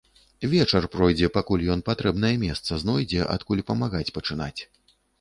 Вечар пройдзе, пакуль ён патрэбнае месца знойдзе, адкуль памагаць пачынаць.